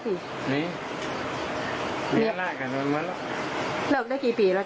หลายปีแล้ว